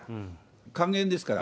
還元ですから。